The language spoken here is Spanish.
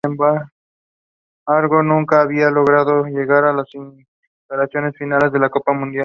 Sin embargo, nunca había logrado llegar a las instancias finales de la Copa Mundial.